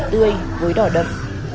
tươi với đỏ đậm